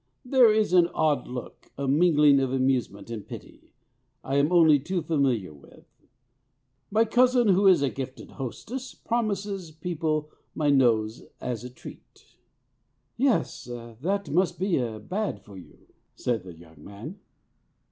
"There is an odd look, a mingling of amusement and pity, I am only too familiar with. My cousin, who is a gifted hostess, promises people my nose as a treat." "Yes, that must be bad for you," said the young man.